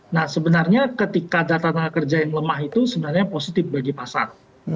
nah sebenarnya ketika data tenaga kerja yang lemah itu sebenarnya positif bagi pasar